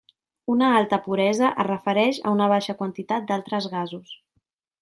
Una alta puresa es refereix a una baixa quantitat d'altres gasos.